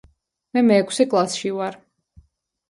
მე მეექვსე კლასში ვარ.